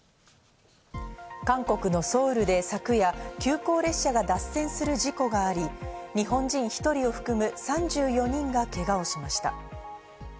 韓国のソウルで昨夜、急行列車が脱線する事故があり、日本人１人を含む３４人がケガをしました。